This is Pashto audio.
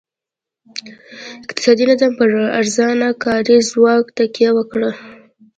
اقتصادي نظام پر ارزانه کاري ځواک تکیه وکړه.